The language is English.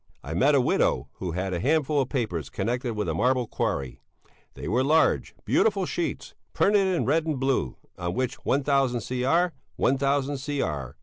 I met a widow who had a handful of papers connected with a marble quarry; they were large, beautiful sheets, printed in red and blue, on which 1000 Cr., 1000 Cr.